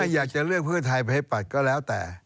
ถ้าอยากจะเลือกเพื่อไทยไปให้ปัดก็แล้วแต่